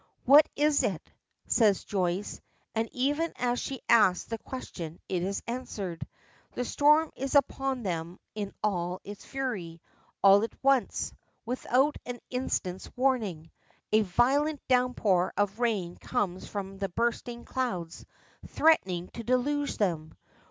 "What is it?" says Joyce, and even as she asks the question it is answered. The storm is upon them in all its fury. All at once, without an instant's warning, a violent downpour of rain comes from the bursting clouds, threatening to deluge them.